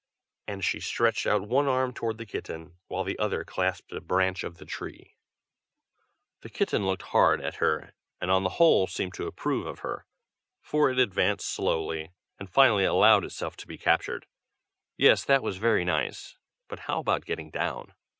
and she stretched out one arm toward the kitten, while the other clasped a branch of the tree. The kitten looked hard at her, and on the whole seemed to approve of her, for it advanced slowly, and finally allowed itself to be captured. Yes, that was very nice; but how about getting down?